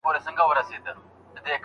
اوږده ډوډۍ ماڼۍ ته یوړل نه سوه.